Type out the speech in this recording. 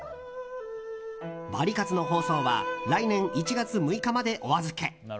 ワリカツの放送は来年１月６日までお預け。